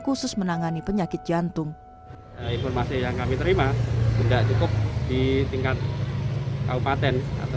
khusus menangani penyakit jantung informasi yang kami terima tidak cukup di tingkat kabupaten atau